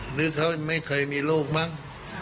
หรือเขาไม่เคยมีลูกมั้ง